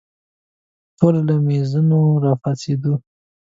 ټوله له مېزونو راپاڅېدو.